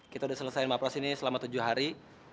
kita udah selesain mafras ini selama tujuh hari